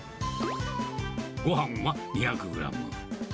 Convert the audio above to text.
ごはんは２００グラム。